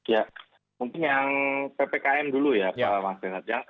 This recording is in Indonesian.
ya mungkin yang ppkm dulu ya pak mas renat